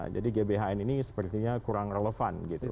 jadi gbhn ini sepertinya kurang relevan gitu